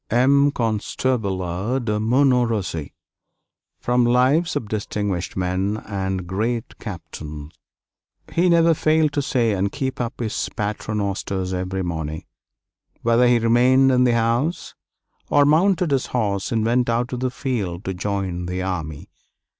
M. LE CONSTABLE ANNE DE MONTMORENCY From 'Lives of Distinguished Men and Great Captains' He never failed to say and keep up his paternosters every morning, whether he remained in the house, or mounted his horse and went out to the field to join the army.